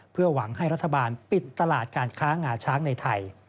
เพื่อหวังให้รัฐบาลปิดตลาดการค้างาช้างในไทย